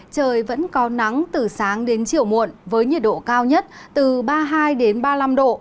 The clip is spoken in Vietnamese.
trời vẫn có nắng từ sáng đến chiều muộn với nhiệt độ cao nhất từ ba mươi hai ba mươi năm độ